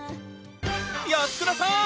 安倉さん！